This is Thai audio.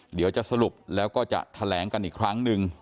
เดี๋ยวจะสรุปแล้วก็จะแถลงกันอีกครั้งหนึ่ง